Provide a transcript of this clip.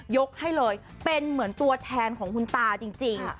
ยกให้เลยเป็นเหมือนตัวแทนของคุณตาจริง